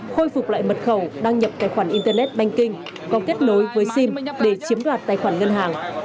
khôi phục lại mật khẩu đăng nhập tài khoản internet banking có kết nối với sim để chiếm đoạt tài khoản ngân hàng